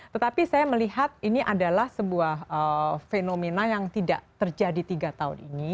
tetapi saya melihat ini adalah sebuah fenomena yang tidak terjadi tiga tahun ini